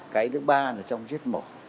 cái thứ ba là trong giết mổ